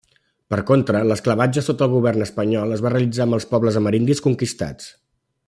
Per contra, l'esclavatge sota el govern espanyol es va realitzar amb els pobles amerindis conquistats.